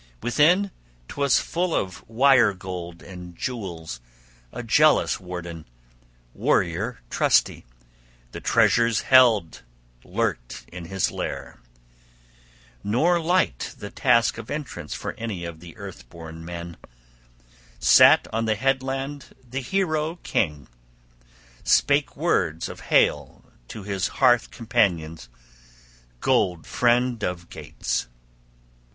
Within 'twas full of wire gold and jewels; a jealous warden, warrior trusty, the treasures held, lurked in his lair. Not light the task of entrance for any of earth born men! Sat on the headland the hero king, spake words of hail to his hearth companions, gold friend of Geats.